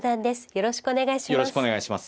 よろしくお願いします。